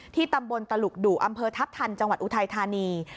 ตำบลตลุกดุอำเภอทัพทันจังหวัดอุทัยธานี